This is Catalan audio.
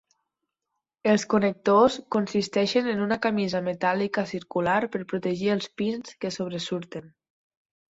Els connectors consisteixen en una camisa metàl·lica circular per protegir els pins que sobresurten.